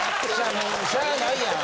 もうしゃあないやん。